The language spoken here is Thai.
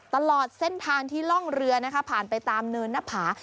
ตลอดเส้นทางที่ล่องเรือนะคะผ่านไปตามเนินหน้าผา